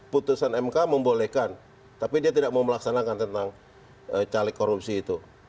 putusan mk membolehkan tapi dia tidak mau melaksanakan tentang caleg korupsi itu